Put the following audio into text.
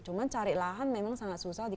cuman cari lahan memang sangat susah di